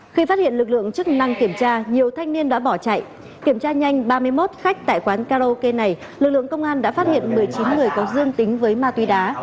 khi phát hiện lực lượng chức năng kiểm tra nhiều thanh niên đã bỏ chạy kiểm tra nhanh ba mươi một khách tại quán karaoke này lực lượng công an đã phát hiện một mươi chín người có dương tính với ma túy đá